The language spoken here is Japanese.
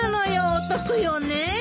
お得よね！